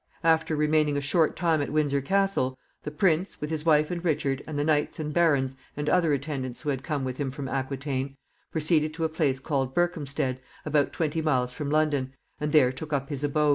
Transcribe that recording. After remaining a short time at Windsor Castle, the prince, with his wife and Richard, and the knights, and barons, and other attendants who had come with him from Aquitaine, proceeded to a place called Birkhamstead, about twenty miles from London, and there took up his abode.